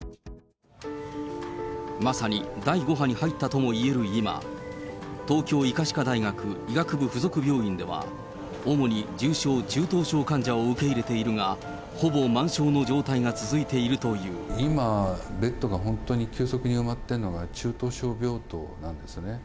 まさに第５波に入ったともいえる今、東京医科歯科大学医学部附属病院では、主に重症、中等症患者を受け入れているが、ほぼ満床の状態が続いているとい今、ベッドが本当に急速に埋まっているのが、中等症病棟なんですね。